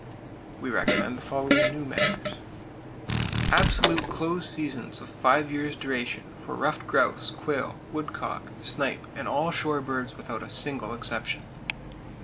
We recommend the following new measures: Absolute close seasons of five years' duration for ruffed grouse, quail, woodcock, snipe and all shore birds without a single exception.